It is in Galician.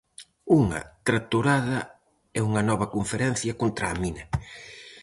Unha tractorada e unha nova conferencia contra a mina.